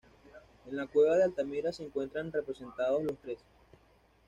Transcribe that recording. En la cueva de Altamira se encuentran representados los tres.